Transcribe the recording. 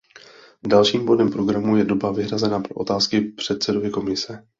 Dalším bodem programu je doba vyhrazená pro otázky předsedovi Komise.